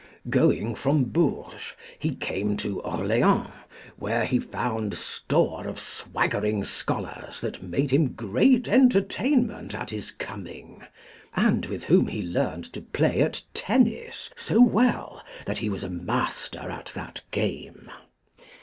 Going from Bourges, he came to Orleans, where he found store of swaggering scholars that made him great entertainment at his coming, and with whom he learned to play at tennis so well that he was a master at that game.